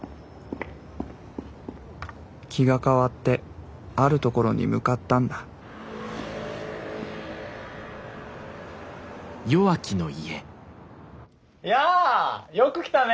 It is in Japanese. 気が変わってあるところに向かったんだいやあよく来たね。